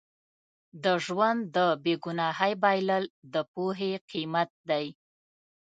د ژوند د بې ګناهۍ بایلل د پوهې قیمت دی.